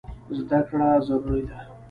زده کړه ضروري ده.